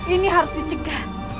ini harus dicegat